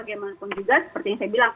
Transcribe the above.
bagaimana pun juga seperti yang saya bilang